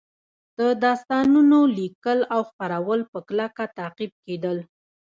د داستانونو لیکل او خپرول په کلکه تعقیب کېدل